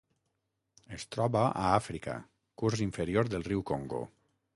Es troba a Àfrica: curs inferior del riu Congo.